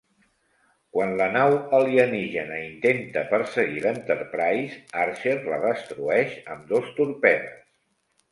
Quan la nau alienígena intenta perseguir l'Enterprise, Archer la destrueix amb dos torpedes.